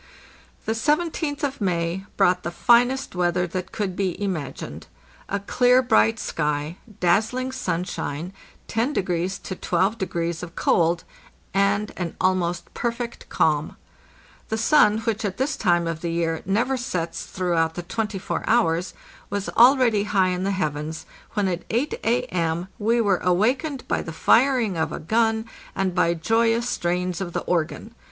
The Seventeenth of May brought the finest weather that could be imagined. A clear, bright sky, dazzling sunshine, 10° to 12° of cold, and an almost perfect calm. The sun, which at this time of the year never sets throughout the twenty four hours, was already high in the heavens, when at 8 A.M. we were awakened by the firing of a gun, and by joyous strains of the organ.